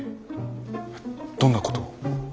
どんなことを？